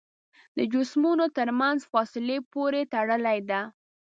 د جسمونو تر منځ فاصلې پورې تړلې ده.